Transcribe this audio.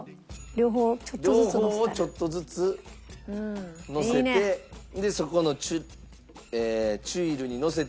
両方をちょっとずつのせてでそこのチュイルにのせて。